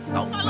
tau gak lu